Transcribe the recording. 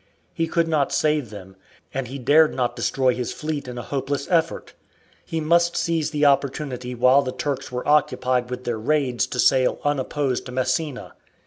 He could not save them, and he dared not destroy his fleet in a hopeless effort. He must seize the opportunity while the Turks were occupied with their raids to sail unopposed to Messina.